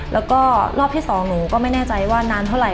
แล้วก็รอบที่๒หนูก็ไม่แน่ใจว่านานเท่าไห